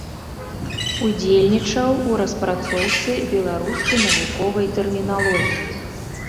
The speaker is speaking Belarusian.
Удзельнічаў у распрацоўцы беларускай навуковай тэрміналогіі.